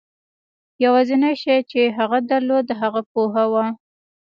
یوازېنی شی چې هغه درلود د هغه پوهه وه.